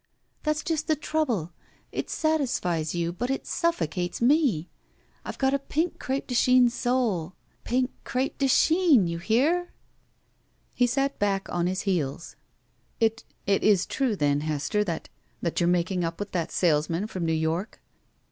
That's just the trouble. It satisfies you, but it suffocates me. I've got a pink cr6pe de Chine soul. Pink cr6pe de Chine — ^you hear?" He sat back on his heels. "It — Is it true, then, Hester that — that you're making up with that salesman from New York?"